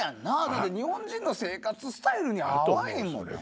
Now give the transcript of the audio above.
だって日本人の生活スタイルに合わへんもんね。